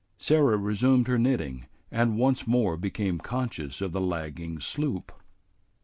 Sarah resumed her knitting, and once more became conscious of the lagging sloop.